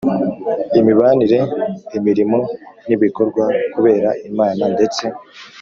imibanire imirimo n ibikorwa kubera Imana ndetse